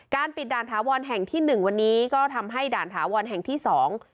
ปิดด่านถาวรแห่งที่หนึ่งวันนี้ก็ทำให้ด่านถาวรแห่งที่สอง